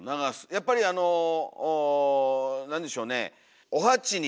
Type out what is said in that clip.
やっぱりあの何でしょうねお鉢に。